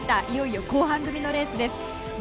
いよいよ後半型のレースです。